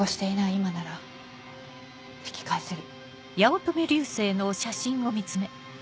今なら引き返せる。